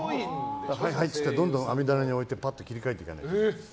はいはいってどんどん網棚に置いてぱっと切り替えていかないといけない。